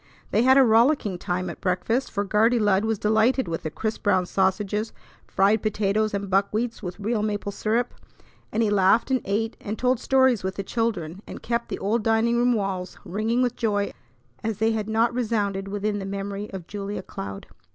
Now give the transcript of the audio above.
They had a rollicking time at breakfast, for Guardy Lud was delighted with the crisp brown sausages, fried potatoes, and buckwheats with real maple syrup; and he laughed, and ate, and told stories with the children, and kept the old dining room walls ringing with joy as they had not resounded within the memory of Julia Cloud.